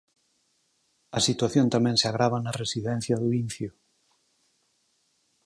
A situación tamén se agrava na residencia do Incio.